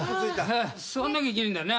座んなきゃいけねえんだな。